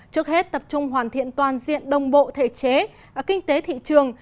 trước hết tập trung hoàn thiện toàn diện đồng bộ thể chế và kinh tế thị trường